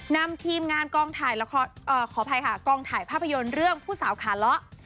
นำทีมงานกล้องถ่ายภาพยนตร์เรื่องผู้สาวขาเลาะ